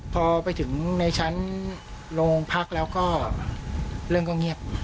พอไปถึงในชั้นโรงพักแล้วก็เรื่องก็เงียบ